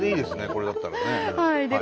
これだったらね。